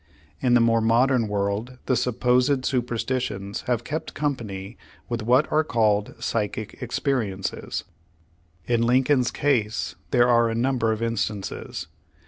In the more modern world, the supposed super stitions have kept company with what are called psychic experiences. In Lincoln's case there are a number of instances.